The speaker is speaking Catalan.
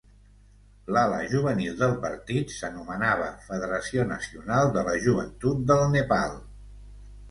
L'ala juvenil del partit s'anomenava Federació Nacional de la Joventut del Nepal.